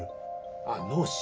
あっ「脳死」？